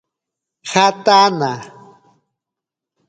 Jataana.